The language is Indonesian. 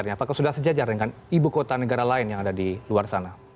apakah sudah sejajar dengan ibu kota negara lain yang ada di luar sana